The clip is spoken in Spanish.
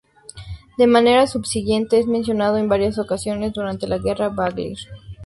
De manera subsiguiente es mencionado en varias ocasiones durante la guerra bagler.